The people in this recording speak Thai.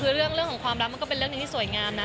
คือเรื่องของความรักมันก็เป็นเรื่องหนึ่งที่สวยงามนะ